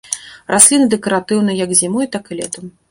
Расліна дэкаратыўна як зімой, так і летам.